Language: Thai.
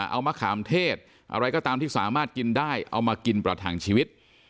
เอามะขามเทศอะไรก็ตามที่สามารถกินได้เอามากินประทังชีวิต